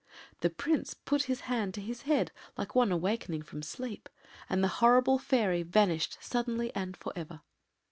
The Prince put his hand to his head like one awakening from sleep, and the horrible fairy vanished suddenly and for ever.